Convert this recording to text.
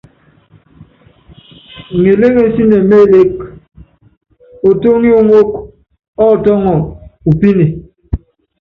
Ŋeléŋensíne mé elék, Otóŋip oŋók ɔ́ tɔ́ŋɔ u píne.